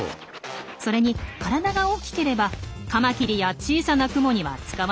それに体が大きければカマキリや小さなクモには捕まりにくいでしょう。